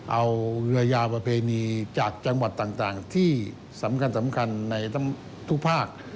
เอาเรือยาวประเพณีจากจังหวัดต่างที่สำคัญในทุกภาค